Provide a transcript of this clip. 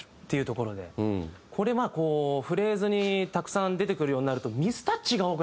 これはフレーズにたくさん出てくるようになると。